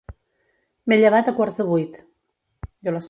M'he llevat a quarts de vuit.